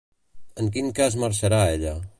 En quin cas marxarà ella?